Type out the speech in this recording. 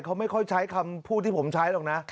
เขาไม่ค่อยใช้คำพูดที่ผมใช้หรอกนะ